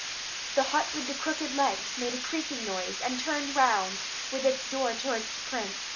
The hut with the crooked legs made a creaking noise, and turned round, with its door towards the prince.